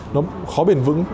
nó khó bền vững